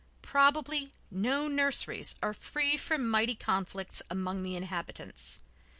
Probably no nurseries are free from mighty conflicts among the inhabitants.